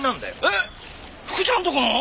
えっ福ちゃんとこの？